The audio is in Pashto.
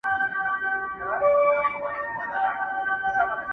ليکوال ژور نقد وړلاندي کوي ډېر,